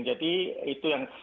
jadi itu yang